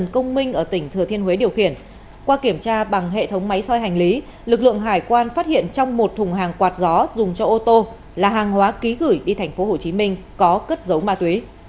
công minh ở tỉnh thừa thiên huế điều khiển qua kiểm tra bằng hệ thống máy soi hành lý lực lượng hải quan phát hiện trong một thùng hàng quạt gió dùng cho ô tô là hàng hóa ký gửi đi tp hcm có cất dấu ma túy